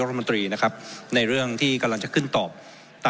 ผมจะขออนุญาตให้ท่านอาจารย์วิทยุซึ่งรู้เรื่องกฎหมายดีเป็นผู้ชี้แจงนะครับ